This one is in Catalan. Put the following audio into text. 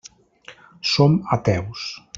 Som ateus.